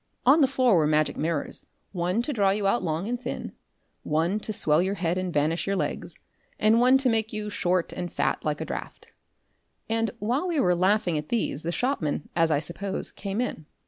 On the floor were magic mirrors; one to draw you out long and thin, one to swell your head and vanish your legs, and one to make you short and fat like a draught; and while we were laughing at these the shopman, as I suppose, came in.